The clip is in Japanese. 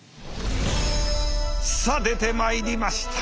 さあ出てまいりました。